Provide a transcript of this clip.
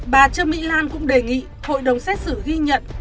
bà trương mỹ lan cũng đề nghị hội đồng xét xử ghi nhận